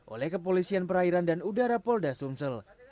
oleh kepolisian perairan dan udara polda sumsel